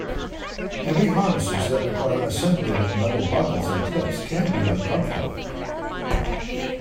Heavy harnesses that require assembly with metal buckles and clips can be uncomfortable.